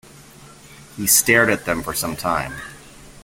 He stared at them for some time.